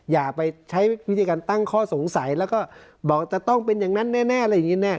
อย่าไปใช้วิธีการตั้งข้อสงสัยแล้วก็บอกจะต้องเป็นอย่างนั้นแน่อะไรอย่างนี้แน่